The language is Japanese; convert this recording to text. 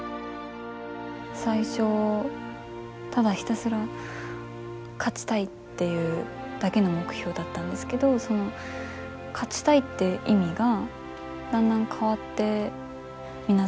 最初ただひたすら勝ちたいっていうだけの目標だったんですけどその勝ちたいっていう意味がだんだん変わって皆さん信頼し合って